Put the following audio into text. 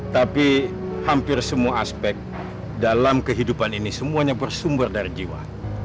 tapi hampir semua aspek dalam kehidupan ini semuanya bersumber dari jiwa